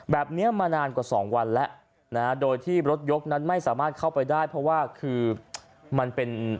แบบนี้มานานกว่าสองวันแล้วนะฮะโดยที่รถยกนั้นไม่สามารถเข้าไปได้เพราะว่าคือมันเป็น